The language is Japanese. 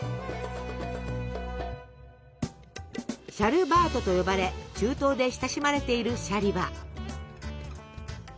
「シャルバート」と呼ばれ中東で親しまれているシャリバ。